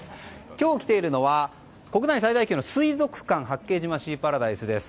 今日来ているのは国内最大級の水族館八景島シーパラダイスです。